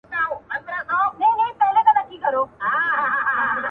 تا مي غریبي راته پیغور کړله ،